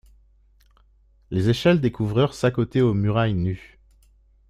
Les échelles des couvreurs s'accotaient aux murailles nues.